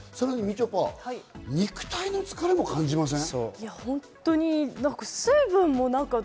さらに、みちょぱ、肉体の疲れも感じません？